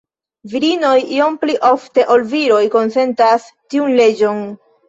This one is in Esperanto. Virinoj iom pli ofte ol viroj konsentas tiun leĝon.